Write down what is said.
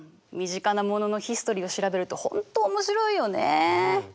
身近なもののヒストリーを調べると本当面白いよね。